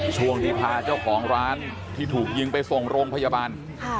ช่วงที่พาเจ้าของร้านที่ถูกยิงไปส่งโรงพยาบาล